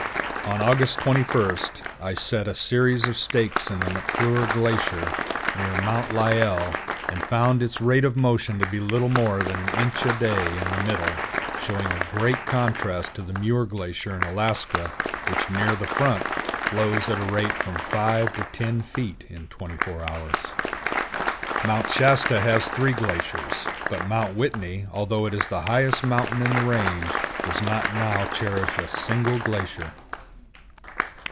On August 21, I set a series of stakes in the Maclure Glacier, near Mount Lyell, and found its rate of motion to be little more than an inch a day in the middle, showing a great contrast to the Muir Glacier in Alaska, which, near the front, flows at a rate of from five to ten feet in twenty four hours. Mount Shasta has three glaciers, but Mount Whitney, although it is the highest mountain in the range, does not now cherish a single glacier.